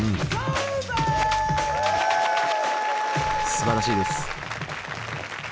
すばらしいです。